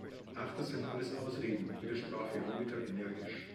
Ach, das sind alles Ausreden!, widersprach Veronika energisch.